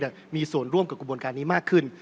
ทั่วประเทศมีส่วนร่วมกับกระบวนการนี้มากขึ้น